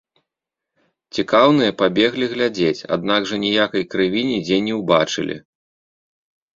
Цікаўныя пабеглі глядзець, аднак жа ніякай крыві нідзе не ўбачылі.